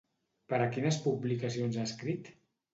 Per a quines publicacions ha escrit?